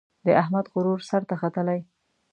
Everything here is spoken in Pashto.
د احمد غرور سر ته ختلی.